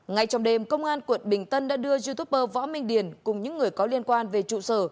ngay trong đêm công an quận bình tân đã đưa youtuber võ minh điển cùng những người có liên quan về trụ sở